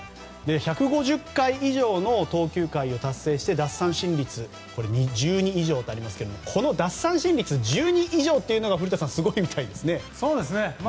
１５０回以上の投球回を達成して奪三振率１２以上とありますがこの奪三振率１２以上というのが古田さん、すごいみたいですね。